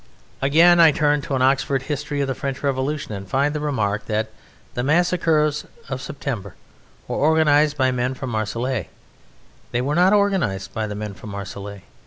Again, I turn to an Oxford History of the French Revolution, and I find the remark that the massacres of September were organized by the men from Marseilles. They were not organized by the men from Marseilles.